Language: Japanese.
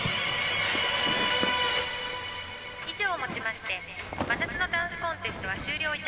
「以上をもちまして真夏のダンスコンテストは終了いたしました。